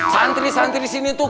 santri santri disini tuh